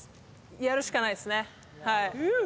やるしかないですねはい。